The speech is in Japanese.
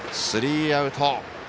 スリーアウト。